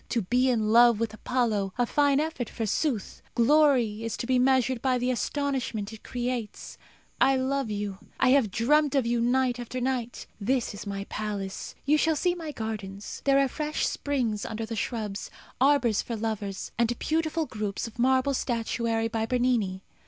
To be in love with Apollo a fine effort, forsooth! Glory is to be measured by the astonishment it creates. I love you. I have dreamt of you night after night. This is my palace. You shall see my gardens. There are fresh springs under the shrubs; arbours for lovers; and beautiful groups of marble statuary by Bernini.